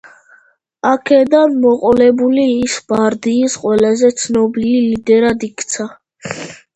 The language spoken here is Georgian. აქედან მოყოლებული ის პარტიის ყველაზე ცნობილი ლიდერად იქცა.